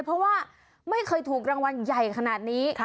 เพราะว่าไม่เคยถูกรางวัลใหญ่ขนาดนี้